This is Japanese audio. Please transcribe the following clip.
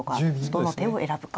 どの手を選ぶか。